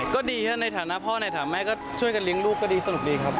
ก็ดีครับในฐานะพ่อในฐานะแม่ก็ช่วยกันเลี้ยงลูกก็ดีสนุกดีครับ